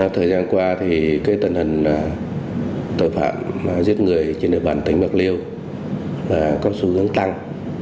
thời gian qua tình hình tội phạm giết người trên địa bàn tỉnh bạc liêu có xu hướng tăng